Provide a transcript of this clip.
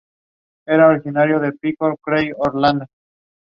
The people of the Caral culture traded for sodalite from the Collao altiplano.